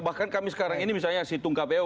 bahkan kami sekarang ini misalnya si tung kpu